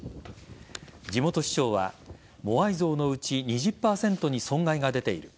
地元市長はモアイ像のうち２０％に損害が出ている。